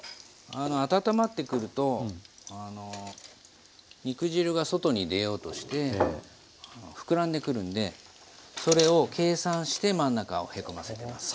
あの温まってくると肉汁が外に出ようとして膨らんでくるんでそれを計算して真ん中をへこませてます。